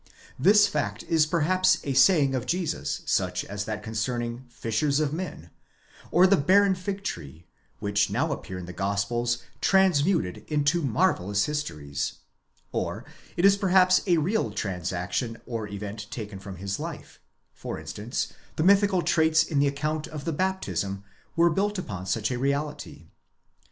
This fact is perhaps a saying of Jesus such as that concerning " fishers of men" or the barren fig tree, which now appear in the Gospels transmuted into marvellous histories : or, it is perhaps a real transaction or event taken from his life; for instance, the mythical traits in the account of the baptism were built upon such a reality.